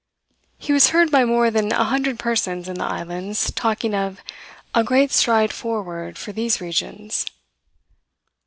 He was heard by more than a hundred persons in the islands talking of a "great stride forward for these regions."